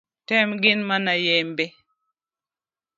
Tem gin mana yembe.